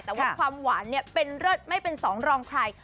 แต่ว่าความหวานเนี่ยเป็นเลิศไม่เป็นสองรองใคร